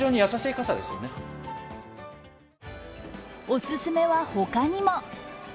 おすすめは、他にも。